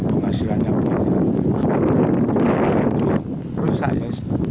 kerugiannya sampai berapa